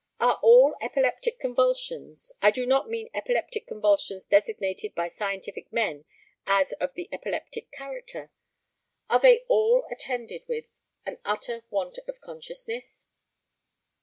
Are all epileptic convulsions I do not mean epileptic convulsions designated by scientific men as of the epileptic character are they all attended with an utter want of consciousness?